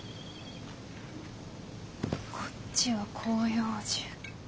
こっちは広葉樹。